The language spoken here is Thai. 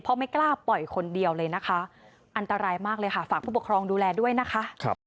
เพราะไม่กล้าปล่อยคนเดียวเลยนะคะอันตรายมากเลยค่ะฝากผู้ปกครองดูแลด้วยนะคะ